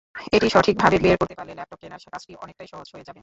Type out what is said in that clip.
এটি সঠিকভাবে বের করতে পারলে ল্যাপটপ কেনার কাজটি অনেকটাই সহজ হয়ে যাবে।